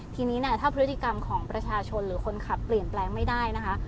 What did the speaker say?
ทีนี้เนี่ยถ้าพฤติกรรมของประชาชนหรือคนขับเปลี่ยนแปลงไม่ได้นะคะ